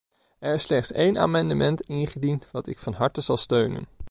Er is slechts één amendement ingediend wat ik van harte zal steunen.